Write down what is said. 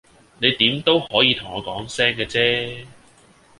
你點都可以同我講聲嘅啫